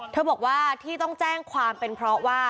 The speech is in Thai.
บอกว่าที่ต้องแจ้งความเป็นเพราะว่า